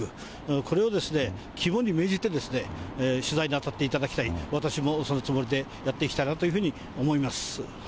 これを肝に銘じて取材に当たっていただきたい、私もそのつもりでやっていきたいなというふうに思います。